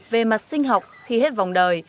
về mặt sinh học thì hết vòng đời